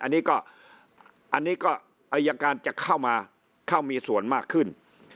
อันนี้ก็อายการจะเข้ามาเข้ามีส่วนมากขึ้น